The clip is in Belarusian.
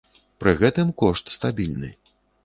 Пры гэтым, кошт стабільны.